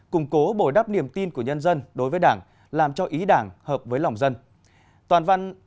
củng cố bồi đắp niềm tin của nhân dân đối với đảng làm cho ý đảng hợp với lòng dân